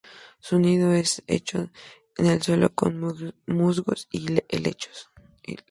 Su nido es hecho en el suelo con musgos y helechos.